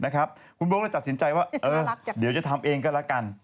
คุณโบ๊คเลยตัดสินใจว่าเดี๋ยวจะทำเองก็แล้วกัน